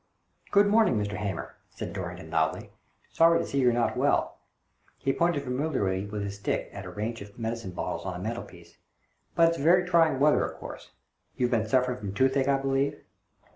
" Good morning, Mr. Hamer," said Dorrington, loudly. " Sorry to see you're not well "— he pointed familiarly with his stick at a range of medicine bottles on the mantelpiece — "but it's very trying weather, of course. You've been suffering from toothache, I believe?"